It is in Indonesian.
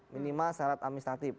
minimal syarat administratif